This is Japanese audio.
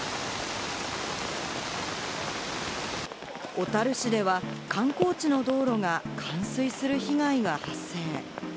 小樽市では観光地の道路が冠水する被害が発生。